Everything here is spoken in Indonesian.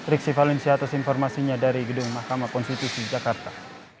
rixi valensiatus informasinya dari gedung mahkamah konstitusi jakarta